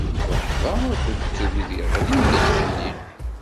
Rrehba akked tuggdi ɣlint-d fell-i.